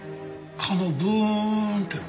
蚊のブーンっての。